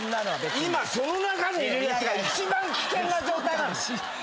今その中にいるやつが一番危険な状態。